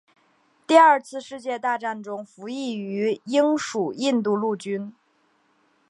第二次世界大战中服役于英属印度陆军。